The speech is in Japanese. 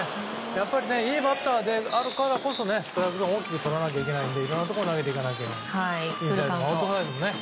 やっぱりいいバッターであるからこそストライクゾーンを大きくとらないといけないので今のところに投げていかないといけない。